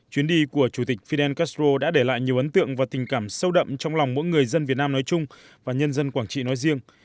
chuyến đi của chủ tịch fidel castro đã để lại nhiều ấn tượng và tình cảm sâu đậm trong lòng mỗi người dân việt nam nói chung và nhân dân quảng trị nói riêng